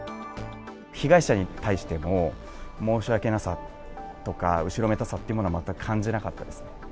被害者に対しても、申し訳なさとか、後ろめたさっていうものは全く感じなかったですね。